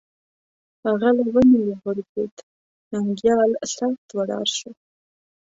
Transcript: هغه له ونې وغورځېد، ننگيال سخت وډار شو